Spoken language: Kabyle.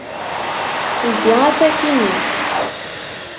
Ldi apaki-nni.